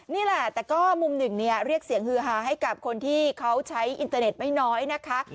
นี่แหละแต่ก็มุมหนึ่งเนี่ยเรียกเสียงฮือหาให้กับคนที่เขาใช้อินเตอร์เน็ตไม่น้อยนะคะ